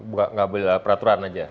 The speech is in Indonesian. bukan peraturan saja